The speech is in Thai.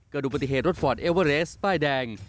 ดูปฏิเหตุรถฟอร์ดเอเวอร์เรสป้ายแดง